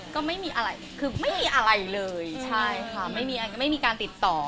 ก็ไม่มีอะไรคือไม่มีอะไรเลยใช่ค่ะไม่มีอันไม่มีการติดต่อ